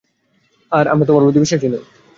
আর আমরা তোমার প্রতি বিশ্বাসী নই।